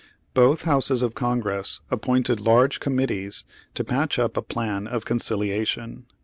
Both Houses of Congress appointed large com mittees to patch up a plan of conciliation.